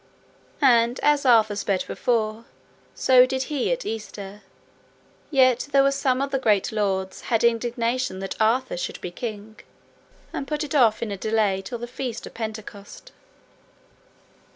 And as Arthur sped before, so did he at Easter; yet there were some of the great lords had indignation that Arthur should be king, and put it off in a delay till the feast of Pentecost.